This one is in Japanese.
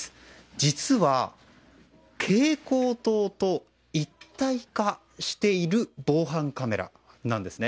実は、蛍光灯と一体化している防犯カメラなんですね。